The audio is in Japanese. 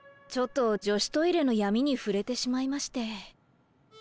ちょっと女子トイレの闇にふれてしまいまして。